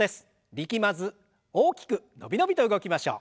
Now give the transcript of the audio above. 力まず大きく伸び伸びと動きましょう。